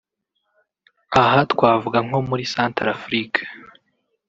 Aha twavuga nko muri Centrafrique